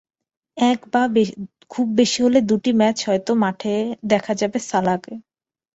এক বা খুব বেশি হলে দুটি ম্যাচ হয়তো মাঠে দেখা যাবে সালাহকে।